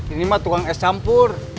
ini mah tukang es campur